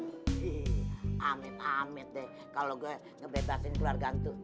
hihihi amit amit deh kalo gua ngebebasin keluarga itu